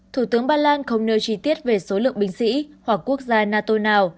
thủ tướng ba lan không nêu chi tiết về số lượng binh sĩ hoặc quốc gia nato nào